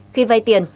khi vai tiền